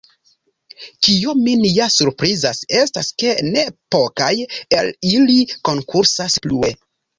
Kio min ja surprizas estas ke ne pokaj el ili konkursas plue!